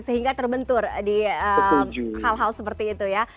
sehingga terbentur di hal hal seperti itu ya